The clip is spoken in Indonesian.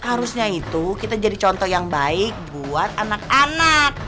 harusnya itu kita jadi contoh yang baik buat anak anak